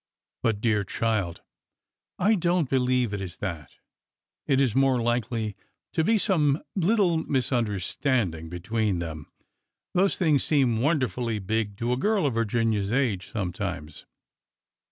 But, dear child! "" I don't believe it is that. It is more likely to be some little misunderstanding between them. Those things seem wonderfully big to a girl of Virginia's age, some times."